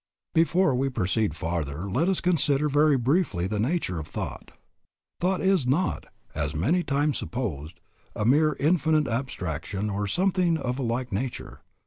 Before we proceed farther let us consider very briefly the nature of thought. Thought is not, as is many times supposed, a mere indefinite abstraction, or something of a like nature.